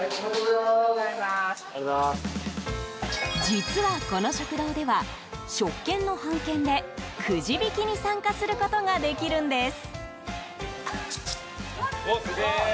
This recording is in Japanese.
実は、この食堂では食券の半券でくじ引きに参加することができるんです。